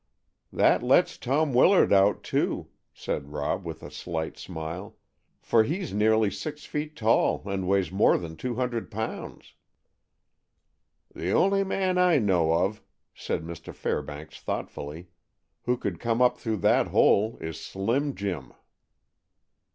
"That lets Tom Willard out, too," said Rob, with a slight smile; "for he's nearly six feet tall, and weighs more than two hundred pounds." "The only man I know of," said Mr. Fairbanks thoughtfully, "who could come up through that hole is Slim Jim."